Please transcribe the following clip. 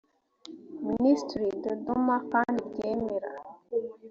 ministries ddm kandi ryemera